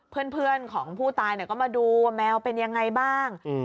เพื่อนของผู้ตายก็มาดูว่าแมวเป็นยังไงบ้าง